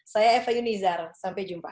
saya eva yunizar sampai jumpa